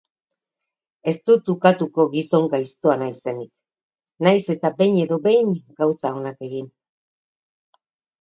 Ez dut ukatuko gizon gaiztoa naizenik, nahiz eta behin edo behin gauza onak egin.